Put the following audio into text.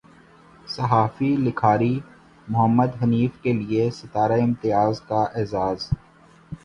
صحافی لکھاری محمد حنیف کے لیے ستارہ امتیاز کا اعزاز